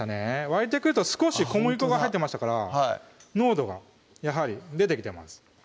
沸いてくると少し小麦粉が入ってましたから濃度がやはり出てきてます